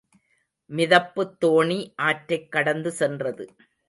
மிதப்புத் தோணி ஆற்றைக் கடந்து சென்றது.